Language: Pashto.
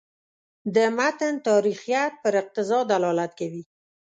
د متن تاریخیت پر اقتضا دلالت کوي.